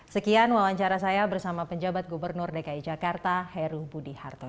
sekian wawancara saya bersama penjabat gubernur dki jakarta heru budi harto